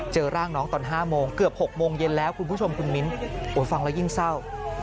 เจอร่างน้องตอน๕โมงเกือบ๖โมงเย็นแล้วคุณผู้ชมคุณมิ้นฟังแล้วยิ่งเศร้า